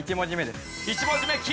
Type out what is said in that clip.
１文字目「き」。